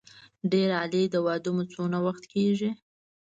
ډېر عالي د واده مو څونه وخت کېږي.